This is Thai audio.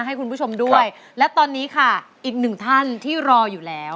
ให้คุณผู้ชมด้วยและตอนนี้ค่ะอีกหนึ่งท่านที่รออยู่แล้ว